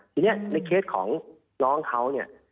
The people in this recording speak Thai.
ทีนี้ในเคสของน้องเขาเนี่ย